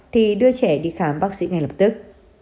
thì đưa trẻ đi khám bác sĩ ngay lập tức